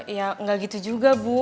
ya nggak gitu juga bu